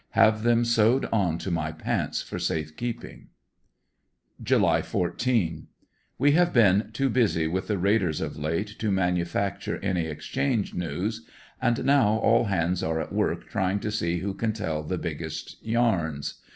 Have them sewed on to my pants for safe keeping. July 14. — We have been too busy with the raiders of late to man ufacture any exchange news, and now all hands are at work trying to see who can tell the biggest yarns.